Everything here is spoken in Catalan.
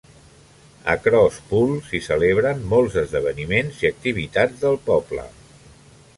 A Crosspool s'hi celebren molts esdeveniments i activitats del poble.